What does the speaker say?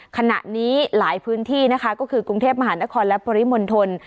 ขณะนี้หลายพื้นที่นะคะก็คือกรุงเทพมหานครและปริมณฑล